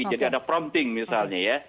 jadi ada prompting misalnya ya